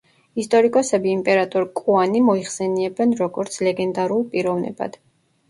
ისტორიკოსები იმპერატორ კოანი მოიხსენიებენ, როგორც ლეგენდალურ პიროვნებად.